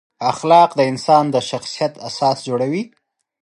اخلاق د انسان د شخصیت اساس جوړوي.